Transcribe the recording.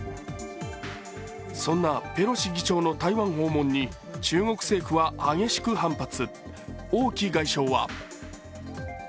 そんなペロシ議長の台湾訪問に、中国政府は大きく反発。